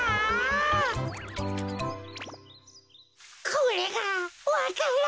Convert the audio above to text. これがわか蘭。